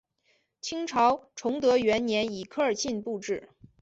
清朝崇德元年以科尔沁部置。